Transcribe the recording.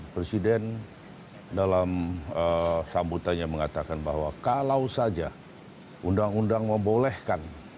presiden dalam sambutannya mengatakan bahwa kalau saja undang undang membolehkan